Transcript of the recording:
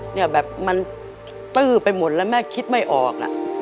เนี่ยแบบมันตื้อไปหมดแล้วแม่คิดไม่ออก